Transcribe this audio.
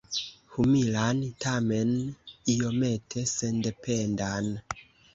Humilan, tamen iomete sendependan.